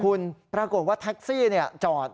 คุณปรากฏว่าแท็กซี่จอด